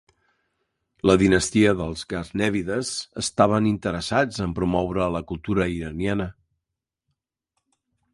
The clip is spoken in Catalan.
La dinastia dels gaznèvides estaven interessats en promoure la cultura iraniana.